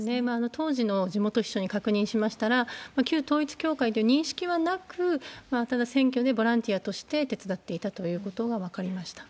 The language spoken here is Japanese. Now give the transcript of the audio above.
当時の地元秘書に確認しましたら、旧統一教会という認識はなく、ただ、選挙でボランティアとして手伝っていたということが分かりました。